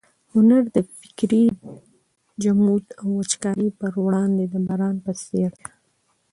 هنر د فکري جمود او وچکالۍ پر وړاندې د باران په څېر دی.